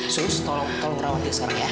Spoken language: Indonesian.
sus tolong tolong rawat dia sekarang ya